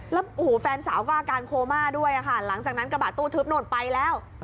แล้วแฟนสาวก็อาการโคม่าด้วยค่ะหลังจากนั้นกระบะตู้ทึบโน่นไปแล้ว